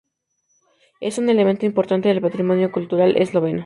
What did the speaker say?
Es un elemento importante del patrimonio cultural esloveno.